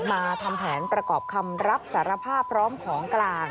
มาทำแผนประกอบคำรับสารภาพพร้อมของกลาง